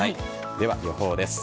では、予報です。